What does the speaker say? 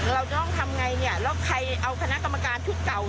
เราจะต้องทำไงเนี่ยแล้วใครเอาคณะกรรมการชุดเก่า